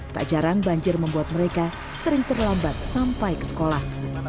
tak jarang banjir membuat mereka sering terlambat sampai ke sekolah